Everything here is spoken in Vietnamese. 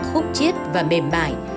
khúc chiết và mềm mại